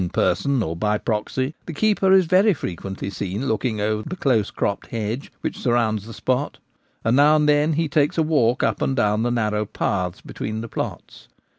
175 person or by proxy the keeper is very frequently seen looking over the close cropped hedge which sur rounds the spot, and now and then he takes a walk up and down the narrow paths between the plots.